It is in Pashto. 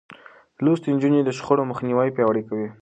لوستې نجونې د شخړو مخنيوی پياوړی کوي.